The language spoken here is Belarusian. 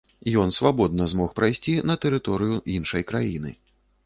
Ён свабодна змог прайсці на тэрыторыю іншай краіны.